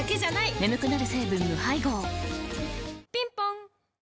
眠くなる成分無配合ぴんぽん